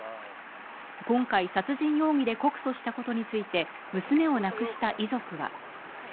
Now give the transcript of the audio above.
今回、殺人容疑で告訴したことについて、娘を亡くした遺族は。